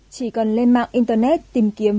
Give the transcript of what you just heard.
chỉ cần lên mạng internet tìm kiếm vff